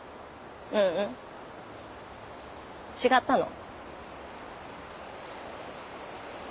ううん違ったの。